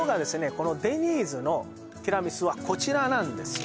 このデニーズのティラミスはこちらなんですよ